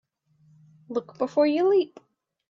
Look before you leap.